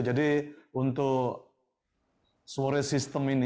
jadi untuk storage system ini